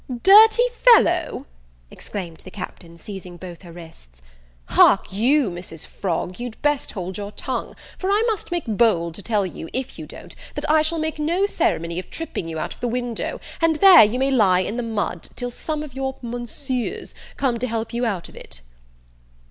"Dirty fellow!" exclaimed the Captain, seizing both her wrists, "hark you, Mrs. Frog, you'd best hold your tongue; for I must make bold to tell you, if you don't, that I shall make no ceremony of tripping you out of the window, and there you may lie in the mud till some of your Monseers come to help you out of it."